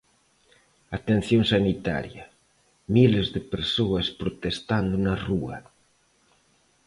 Atención sanitaria: miles de persoas protestando na rúa.